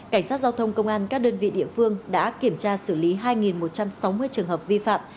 cảnh sát giao thông công an các đơn vị địa phương đã kiểm tra xử lý hai một trăm sáu mươi trường hợp vi phạm